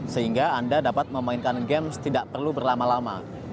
sehingga anda dapat memainkan games tidak perlu berlama lama